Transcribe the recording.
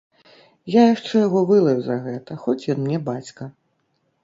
Я яшчэ яго вылаю за гэта, хоць ён мне бацька.